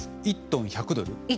１トン１００ドル。